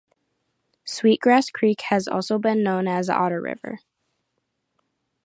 Sweet Grass Creek has also been known as: Otter River.